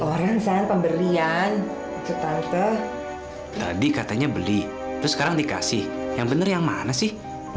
orang sangat pemberian itu tante tadi katanya beli terus sekarang dikasih yang bener yang mana sih